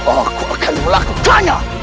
aku akan melakukannya